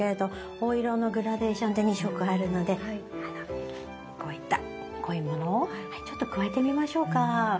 お色のグラデーションで２色あるのでこういった濃いものをちょっと加えてみましょうか。